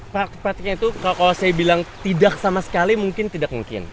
praktik praktiknya itu kalau saya bilang tidak sama sekali mungkin tidak mungkin